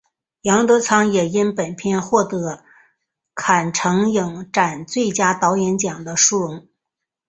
杨德昌也因本片获得坎城影展最佳导演奖的殊荣。